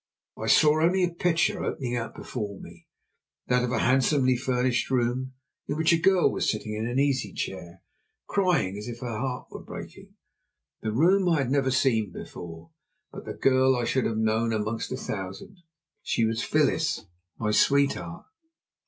I saw only a picture opening out before me that of a handsomely furnished room, in which was a girl sitting in an easy chair crying as if her heart were breaking. The room I had never seen before, but the girl I should have known among a thousand. _She was Phyllis, my sweetheart!